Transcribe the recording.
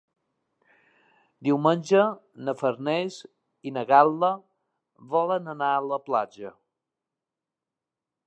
Diumenge na Farners i na Gal·la volen anar a la platja.